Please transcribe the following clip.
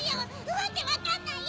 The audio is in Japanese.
ワケわかんないよ！